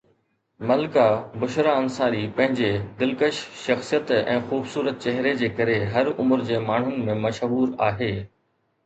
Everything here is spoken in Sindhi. ملڪه بشرا انصاري پنهنجي دلڪش شخصيت ۽ خوبصورت چهري جي ڪري هر عمر جي ماڻهن ۾ مشهور آهي